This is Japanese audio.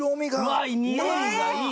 うわっにおいがいい！